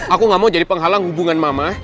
aku gak mau jadi penghalang hubungan mama